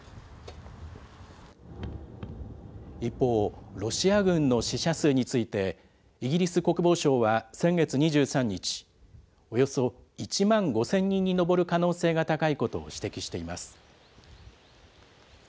一方、ロシア軍の死者数について、イギリス国防省は先月２３日、およそ１万５０００人に上る可能性が高いことを指摘しています。